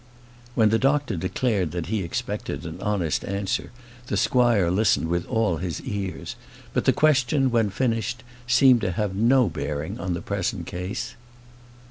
When the doctor declared that he expected an honest answer the squire listened with all his ears; but the question, when finished, seemed to have no bearing on the present case.